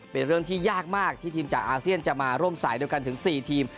เป็นเรื่องที่ยากมากที่ทีมจากอาเซียนจะมาร่วมสายเดียวกันถึง๔ทีม